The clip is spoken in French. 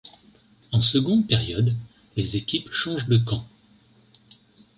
En seconde période, les équipes changent de camp.